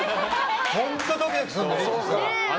本当ドキドキするんだよ。